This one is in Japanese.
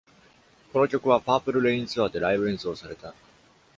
この曲はパープル・レイン・ツアーでライブ演奏された。